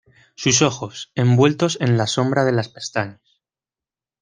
sus ojos, envueltos en la sombra de las pestañas